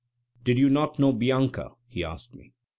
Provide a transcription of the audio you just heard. "Did you not know Bianca?" he asked me.